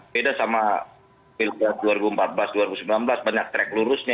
beda sama pilihan dua ribu empat belas dua ribu sembilan belas banyak track lurusnya